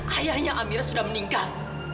ayahnya amira sudah meninggal